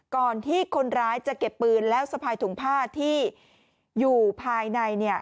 ก่อนที่คนร้ายจะเก็บปืนแล้วสะพายถุงผ้าที่อยู่ภายในเนี่ย